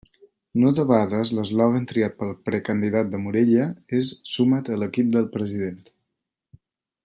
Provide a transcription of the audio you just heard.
No debades l'eslògan triat pel precandidat de Morella és «Suma't a l'equip del president».